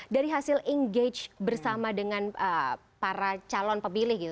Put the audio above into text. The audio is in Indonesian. dari hasil engage bersama dengan para calon pepilih gitu